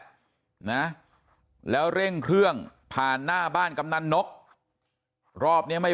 นะแล้วเร่งเครื่องผ่านหน้าบ้านกำนันนกรอบนี้ไม่